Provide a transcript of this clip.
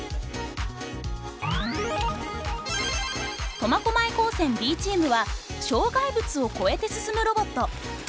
苫小牧高専Ｂチームは障害物を越えて進むロボット。